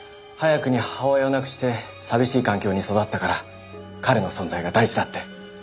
早くに母親を亡くして寂しい環境に育ったから彼の存在が大事だって。